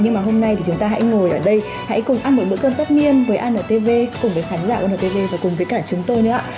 nhưng mà hôm nay thì chúng ta hãy ngồi ở đây hãy cùng ăn một bữa cơm tất nhiên với antv cùng với khán giả untv và cùng với cả chúng tôi nữa ạ